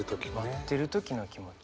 待ってる時の気持ち。